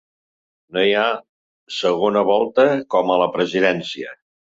No hi ha segona volta com a la presidència.